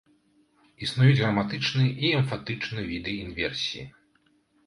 Існуюць граматычны і эмфатычны віды інверсіі.